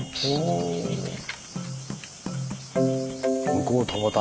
向こう戸畑